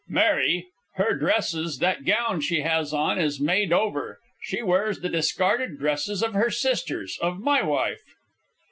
Mary... her dresses... that gown she has on is made over; she wears the discarded dresses of her sisters, of my wife.